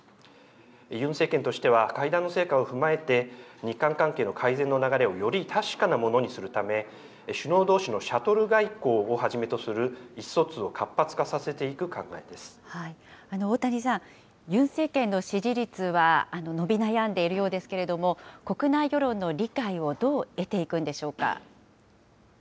ユン政権としては会談の成果を踏まえて、日韓関係の改善の流れをより確かなものにするため、首脳どうしのシャトル外交をはじめとする意思疎通を活発化させて大谷さん、ユン政権の支持率は伸び悩んでいるようですけれども、国内世論の理解をどう得ていくんでしょうか。